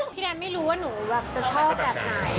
พี่แดนไม่รู้ว่าหนูแบบจะชอบแบบไหน